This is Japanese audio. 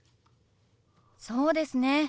そうですね。